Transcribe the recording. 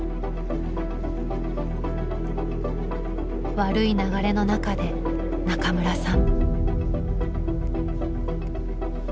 悪い流れの中で中村さん。